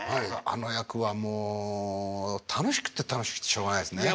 あの役はもう楽しくて楽しくてしょうがないですね。